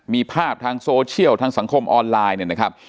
มีภาพทางโซเชียลทางสังคมออนไลน์